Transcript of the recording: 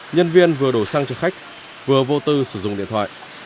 nhân viên vừa đổ xăng cho khách vừa vô tư sử dụng điện thoại